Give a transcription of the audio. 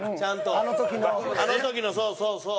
あの時のそうそうそう。